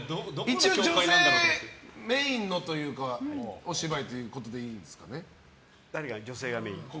一応女性メインのというかお芝居ということでいいんですかね。